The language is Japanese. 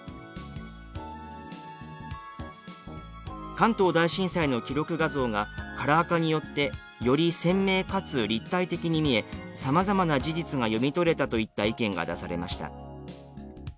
「関東大震災の記録画像がカラー化によってより鮮明かつ立体的に見えさまざまな事実が読み取れた」といった意見が出されました。